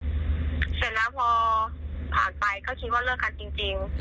เสร็จแล้วพอผ่านไปก็คิดว่าเลิกกันจริง